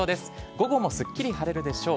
午後もすっきり晴れるでしょう。